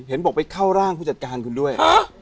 เห็นบอกไปเข้าร่างผู้จัดการคุณด้วย